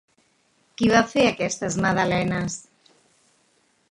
Qui va fer aquestes magdalenes?